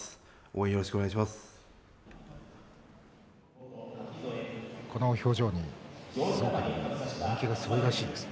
応援よろしくお願いします。